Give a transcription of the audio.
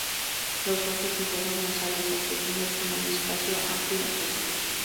Los ojos y fosas nasales son pequeños con un espacio amplio entre sí.